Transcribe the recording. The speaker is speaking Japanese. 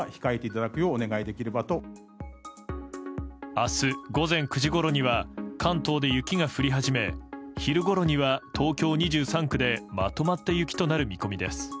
明日午前９時ごろには関東で雪が降り始め昼ごろには東京２３区でまとまった雪となる見込みです。